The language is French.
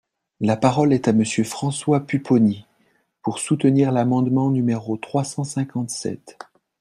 La parole est à Monsieur François Pupponi, pour soutenir l’amendement numéro trois cent cinquante-sept.